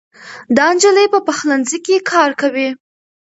دا نجلۍ په پخلنځي کې کار کوي.